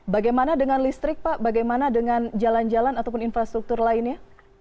bagaimana dengan listrik pak bagaimana dengan jalan jalan ataupun infrastruktur lainnya